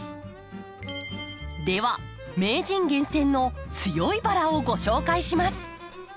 では名人厳選の強いバラをご紹介します。